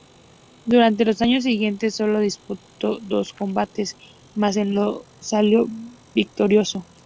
Durante los años siguientes solo disputó dos combates más, en los que salió victorioso.